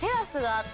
あっ！